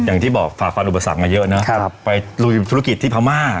อย่างที่บอกฝ่าฟันอุปสรรคมาเยอะนะครับไปลุยธุรกิจที่พม่า